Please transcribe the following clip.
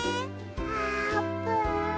あーぷん。